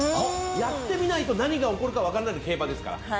やってみないと何が起こるか分からないのが競馬ですから。